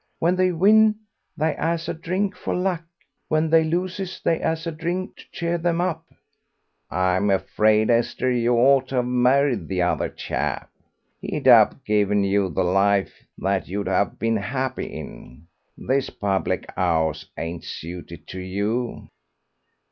When they win, they 'as a drink for luck; when they loses, they 'as a drink to cheer them up." "I'm afraid, Esther, you ought to have married the other chap. He'd have given you the life that you'd have been happy in. This public 'ouse ain't suited to you."